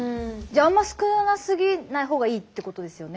あんま少なすぎないほうがいいってことですよね。